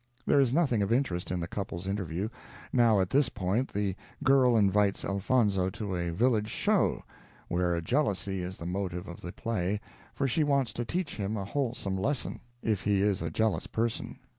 There is nothing of interest in the couple's interview. Now at this point the girl invites Elfonzo to a village show, where jealousy is the motive of the play, for she wants to teach him a wholesome lesson, if he is a jealous person.